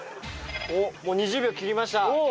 もう２０秒切りました。